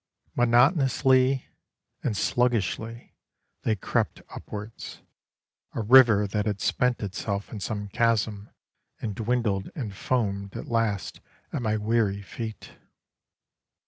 Monotonously and sluggishly they crept upwards A river that had spent itself in some chasm, And dwindled and foamed at last at my weary feet.